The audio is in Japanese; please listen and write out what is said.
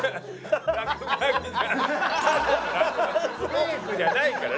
メイクじゃないから！